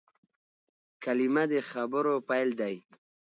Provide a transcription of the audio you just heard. کلیمه د خبرو پیل دئ.